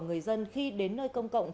người dân khi đến nơi công cộng